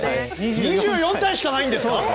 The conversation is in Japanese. ２４体しかないんですか？